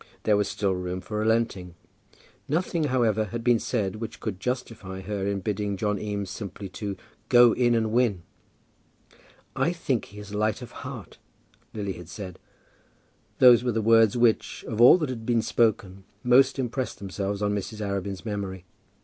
There was still room for relenting. Nothing, however, had been said which could justify her in bidding John Eames simply "to go in and win." "I think he is light of heart," Lily had said. Those were the words which, of all that had been spoken, most impressed themselves on Mrs. Arabin's memory.